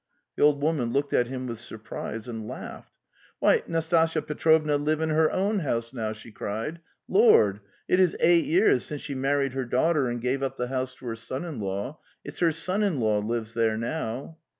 The old woman looked at him with surprise and laughed. "Why, Nastasya Petrovna live in her own house now!" she cried. 'Lord! it is eight years. since she married her daughter and gave up the house to her son in law! It's her son in law lives there now."